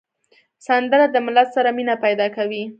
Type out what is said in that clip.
سندره له ملت سره مینه پیدا کوي